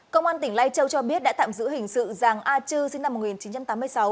công an tỉnh lai châu cho biết đã tạm giữ hình sự giàng a chư sinh năm một nghìn chín trăm tám mươi sáu